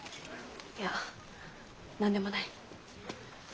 いや何でもない。